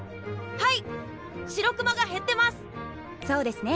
はい。